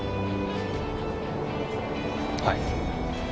はい。